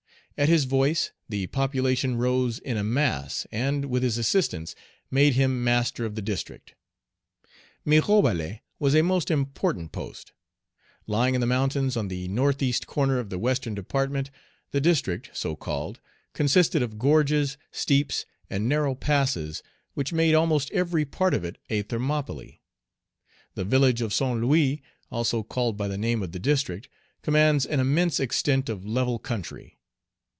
At his voice, the population rose in a mass, and, with his assistance, made him master of the district. Mirebalais was a most important post. Lying in the mountains on the northeast corner of the Western Department, the district so called consisted of gorges, steeps, and narrow passes, which made almost every part of it a Thermopylæ. The village of St. Louis, also called by the name of the district, commands an immense extent of level country.